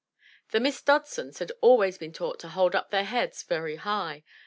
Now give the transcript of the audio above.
The Miss Dodsons had always been taught to hold up their heads very high.